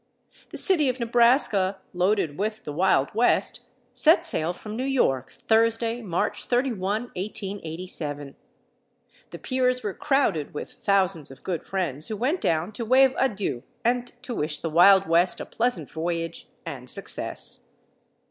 The City of Nebraska, loaded with the Wild West, set sail from New York, Thursday, March 31, 1887. The piers were crowded with thousands of good friends who went down to wave adieux and to wish the Wild West a pleasant voyage and success.